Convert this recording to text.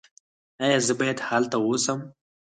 ایا زه باید هلته اوسم؟